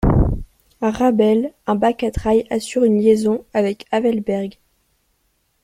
À Räbel, un bac à traille assure une liaison avec Havelberg.